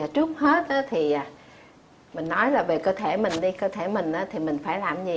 trước hết thì mình nói là về cơ thể mình đi cơ thể mình thì mình phải làm gì